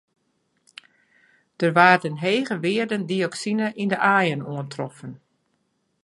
Der waarden hege wearden dioksine yn de aaien oantroffen.